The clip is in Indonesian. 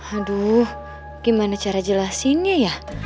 aduh gimana cara jelasinnya ya